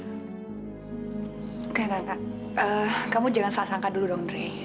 nggak kakak kamu jangan salah sangka dulu dong andre